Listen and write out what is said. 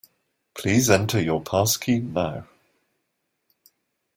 Please enter your passkey now